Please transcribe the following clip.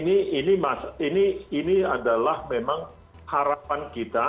ini adalah memang harapan kita